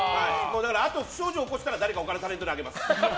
不祥事起こしたら他のタレントにあげます。